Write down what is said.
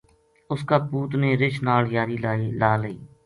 اس کا پوت نے رچھ ناڑ یاری لا لئی